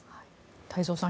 太蔵さん